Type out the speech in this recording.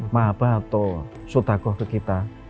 mahabah atau sutagoh ke kita